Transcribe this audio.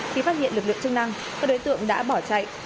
khi phát hiện lực lượng chức năng các đối tượng đã bỏ chạy